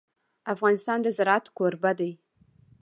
افغانستان د زراعت کوربه دی.